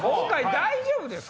大丈夫です！